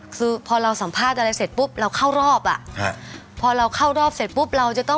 คือพอเราสัมภาษณ์อะไรเสร็จปุ๊บเราเข้ารอบพอเราเข้ารอบเสร็จปุ๊บ